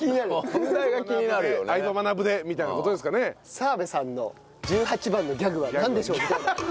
澤部さんの十八番のギャグはなんでしょう？みたいな。